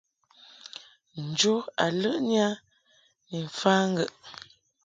Njo a ləʼni a ni mfa ŋgəʼ.